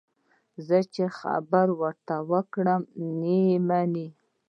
زه چې خبره ورته وکړم، نه یې مني.